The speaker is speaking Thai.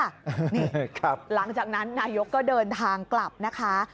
นี่หลังจากนั้นนายกก็เดินทางกลับนะคะ